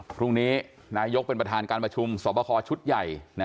พรุ่งนี้นายกเป็นประธานการประชุมสอบคอชุดใหญ่